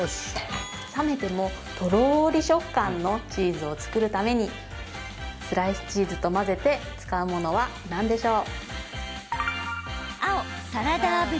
冷めても、とろり食感のチーズを作るためにスライスチーズと混ぜて使うものは何でしょう？